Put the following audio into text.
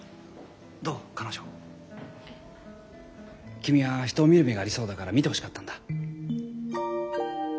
君は人を見る目がありそうだから見てほしかったんだ。